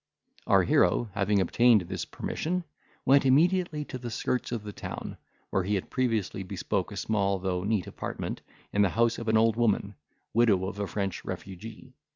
Our hero having obtained this permission, went immediately to the skirts of the town, where he had previously bespoke a small, though neat apartment, at the house of an old woman, widow of a French refugee.